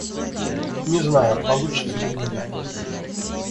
Не знаю, получится ли у меня.